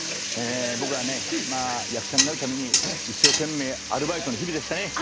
僕はねまあ役者になるために一生懸命アルバイトの日々でしたね。